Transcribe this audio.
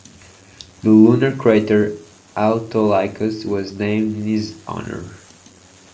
The lunar crater Autolycus was named in his honour.